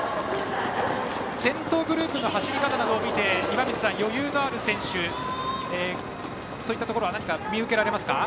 先頭グループの走り方などを見て余裕のある選手そういったところも何か見受けられますか？